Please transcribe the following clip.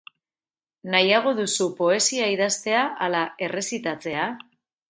Nahiago duzu poesia idaztea ala errezitatzea?